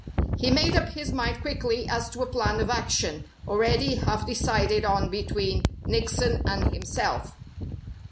He made up his mind quickly as to a plan of action, already half decided on between Nickson and himself.